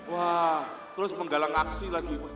wah terus menggalang aksi lagi